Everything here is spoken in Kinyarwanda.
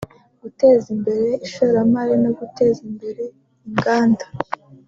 guteza imbere ishoramari no guteza imbere inganda